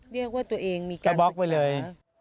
เรียกว่าตัวเองก็บล็อคไปเลย